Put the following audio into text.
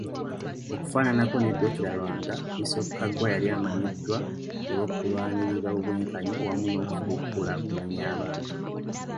Okufaananako ne Dokira Lwanga, Bisoopu Kaggwa yali amanyiddwa olw'okulwanirira obwenkanya wamu n'okufuba okukulaakulanya abantu.